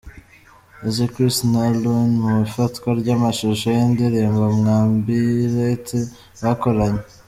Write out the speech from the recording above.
Eze Chris na Louie mu ifatwa ry'amashusho y'indirimbo Mwambie Ilete bakoranye.